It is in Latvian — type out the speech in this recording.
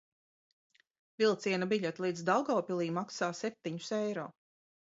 Vilciena biļete līdz Daugavpilij maksā septiņus eiro.